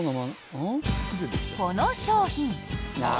この商品。